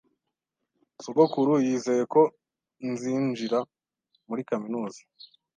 Sogokuru yizeye ko nzinjira muri kaminuza